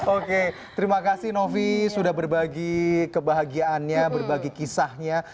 oke terima kasih novi sudah berbagi kebahagiaannya berbagi kisahnya